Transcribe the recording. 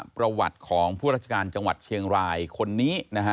ประวัติของผู้ราชการจังหวัดเชียงรายคนนี้นะฮะ